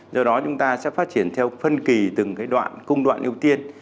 do đó chúng ta sẽ phát triển theo phân kỳ từng cái đoạn cung đoạn ưu tiên